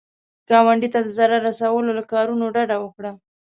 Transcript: ګاونډي ته د ضرر رسولو له کارونو ډډه وکړه